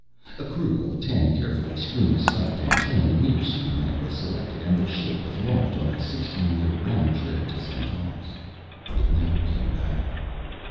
A crew of ten carefully screened, psyched and trained near supermen was selected, and the ship was launched on a sixteen year round trip to Centaurus. It never came back.